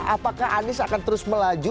apakah anies akan terus melaju